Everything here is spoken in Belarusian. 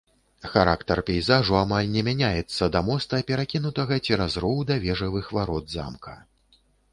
Характар пейзажу амаль не мяняецца да моста, перакінутага цераз роў да вежавых варот замка.